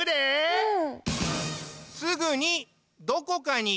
うん。